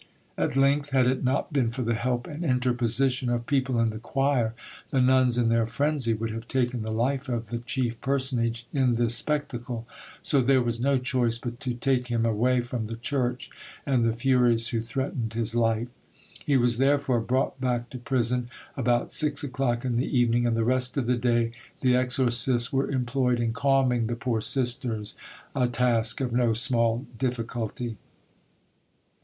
"At length, had it not been for the help and interposition of people in the choir, the nuns in their frenzy would have taken the life of the chief personage in this spectacle; so there was no choice but to take him away from the church and the furies who threatened his life. He was therefore brought back to prison about six o'clock in the evening, and the rest of the day the exorcists were employed in calming the poor sisters—a task of no small difficulty."